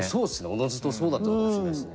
おのずとそうだったかもしれないですね。